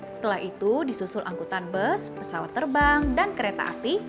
setelah itu disusul angkutan bus pesawat terbang dan kereta api